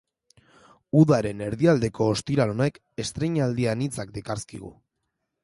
Udaren erdialdeko ostiral honek estreinaldi anitzak dakarzkigu.